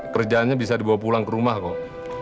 kerjaannya bisa dibawa pulang ke rumah kok